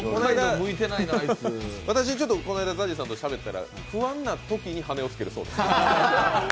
向いてないな、あいつ私、この間、ＺＡＺＹさんとしゃべったら、不安なときに羽をつけるそうです。